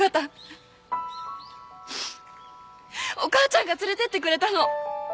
お母ちゃんが連れてってくれたの。